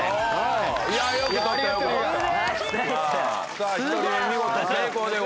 さあ１組目見事成功でございます。